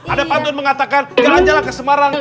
ada pantun mengatakan jalan jalan ke semarang